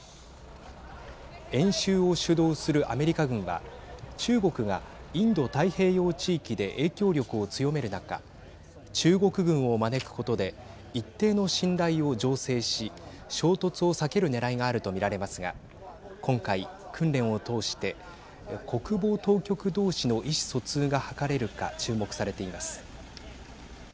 演習を主導するアメリカ軍は中国がインド太平洋地域で影響力を強める中中国軍を招くことで一定の信頼を醸成し衝突を避けるねらいがあると見られますが今回、訓練を通して国防当局同士の意思疎通が図れるか注目されています。